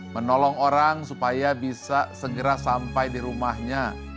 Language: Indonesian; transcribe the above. menolong orang supaya bisa segera sampai di rumahnya